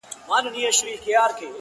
چي کورونا دی که کورونا ده!.